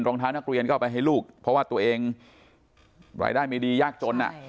รองเท้านักเรียนก็เอาไปให้ลูกเพราะว่าตัวเองรายได้ไม่ดียากจน